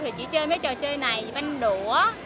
thì chỉ chơi mấy trò chơi này văn đũa